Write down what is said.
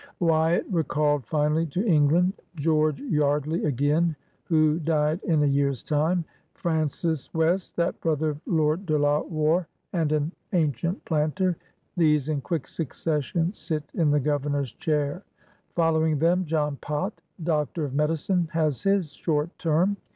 Wyatt, recalled finally to England; GeOTge Yeardley again, who died in a year's time; Francis West, that brother of Lord De La Warr and an BOYAL GOVERNMENT 109 andent planter — these in quick succession sit in the Governor's chair. Following them John Pott» doctor of medicine^ has his short term.